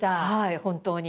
本当に。